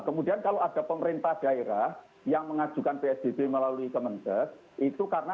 kemudian dijarakannya ibu pemerintahan